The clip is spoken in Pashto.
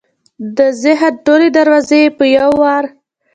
د ذهن ټولې دروازې یې په یو وار